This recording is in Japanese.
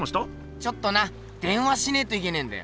ちょっとな電話しねえといけねえんだよ。